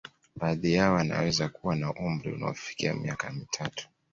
Baadhi yao wanaweza kuwa na umri unaofikia miaka mitatu